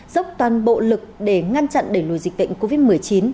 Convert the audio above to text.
dốc toàn bộ lực để ngăn chặn đẩy lùi dịch bệnh covid một mươi chín